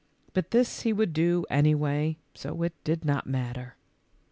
But this he would do anyway, so it did not matter.